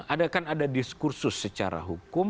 ada kan ada diskursus secara hukum